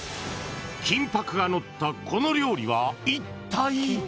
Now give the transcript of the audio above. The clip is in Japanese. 金箔がのったこの料理は一体？